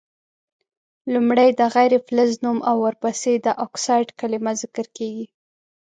لومړی د غیر فلز نوم او ورپسي د اکسایډ کلمه ذکر کیږي.